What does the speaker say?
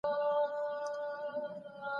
پوهه د هر ډول خرافاتو لپاره د پای ټکی دی.